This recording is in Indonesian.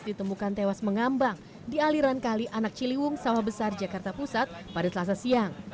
ditemukan tewas mengambang di aliran kali anak ciliwung sawah besar jakarta pusat pada selasa siang